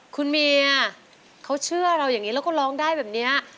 คุณเมียเขาเชื่อเราอย่างนี้แล้วก็ร้องได้แบบนี้